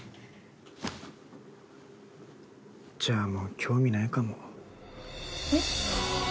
じゃあもう興味ないかもえっ？